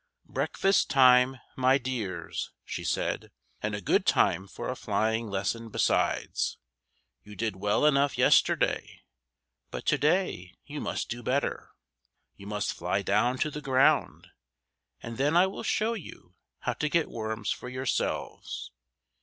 "Breakfast time, my dears!" she said; "and a good time for a flying lesson, besides. You did well enough yesterday, but to day you must do better. You must fly down to the ground, and then I will show you how to get worms for yourselves.